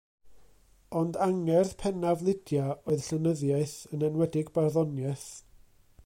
Ond angerdd pennaf Lydia oedd llenyddiaeth, yn enwedig barddoniaeth.